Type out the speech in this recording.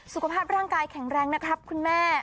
สุขภาพร่างกายแข็งแรงนะครับคุณแม่